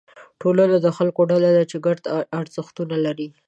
ټولنه د خلکو ډله ده چې ګډ ارزښتونه لري.